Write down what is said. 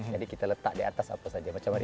jadi kita letak di atas apa saja